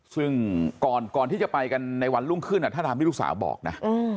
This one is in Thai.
ซึ่งก่อนที่จะไปกันในวันรุ่งขึ้นถ้าตามที่ลูกสาวบอกนะ